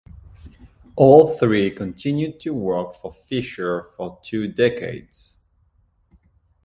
All three continued to work for Fisher for two decades.